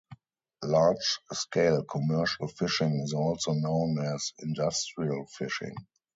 Large-scale commercial fishing is also known as industrial fishing.